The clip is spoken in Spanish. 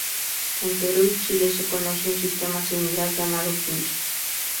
En Perú y Chile se conoce un sistema similar llamado quincha.